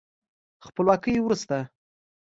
خپلواکۍ وروسته